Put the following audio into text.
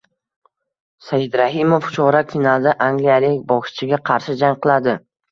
Saidrahimov chorak finalda angliyalik bokschiga qarshi jang qiladi